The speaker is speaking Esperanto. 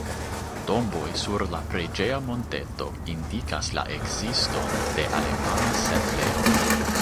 Tomboj sur la preĝeja monteto indikas la ekziston de alemana setlejo.